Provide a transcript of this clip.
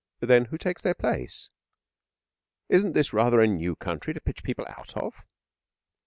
'Then who takes their place? Isn't this rather a new country to pitch people out of?'